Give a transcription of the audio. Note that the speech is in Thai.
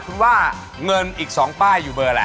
คุณว่าเงินอีก๒ป้ายอยู่เบอร์อะไร